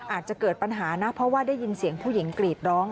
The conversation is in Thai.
อาจจะเกิดปัญหานะเพราะว่าได้ยินเสียงผู้หญิงกรีดร้อง